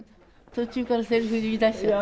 途中からセリフ言いだしちゃって。